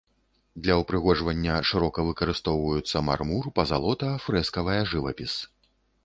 Для ўпрыгожвання шырока выкарыстоўваюцца мармур, пазалота, фрэскавая жывапіс.